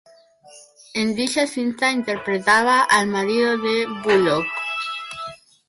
En dicha cinta interpretaba al marido de Bullock.